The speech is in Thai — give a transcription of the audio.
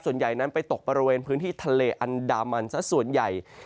ส่วนใหญ่นั้นไปตกบริเวณพื้นที่ทะเลอันดามันซะส่วนใหญ่